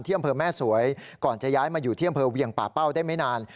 อำเภอแม่สวยก่อนจะย้ายมาอยู่ที่อำเภอเวียงป่าเป้าได้ไม่นาน